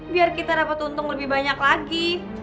biar kita dapat untung lebih banyak lagi